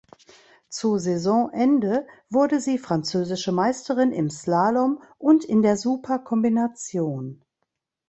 Zu Saisonende wurde sie Französische Meisterin im Slalom und in der Super-Kombination.